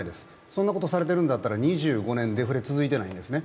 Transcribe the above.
そんなことされているんだったら２５年デフレ続いていないんですね。